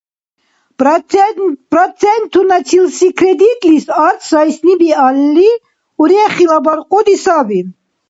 Процентуначилси кредитлис арц сайсни биалли – урехила баркьуди саби.